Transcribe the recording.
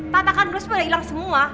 tatakan gelas udah ilang semua